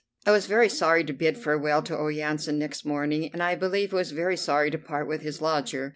I was very sorry to bid farewell to old Yansan next morning, and I believe he was very sorry to part with his lodger.